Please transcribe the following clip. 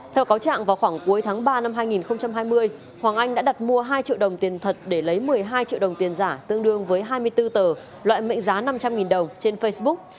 theo cáo trạng vào khoảng cuối tháng ba năm hai nghìn hai mươi hoàng anh đã đặt mua hai triệu đồng tiền thật để lấy một mươi hai triệu đồng tiền giả tương đương với hai mươi bốn tờ loại mệnh giá năm trăm linh đồng trên facebook